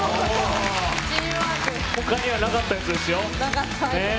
他にはなかったやつですよ。